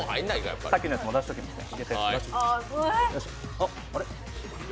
さっきのも出しておきますね。